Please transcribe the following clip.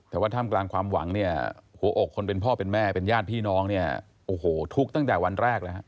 แต่ว่าท่ามกลางความหวังเนี่ยหัวอกคนเป็นพ่อเป็นแม่เป็นญาติพี่น้องเนี่ยโอ้โหทุกข์ตั้งแต่วันแรกเลยฮะ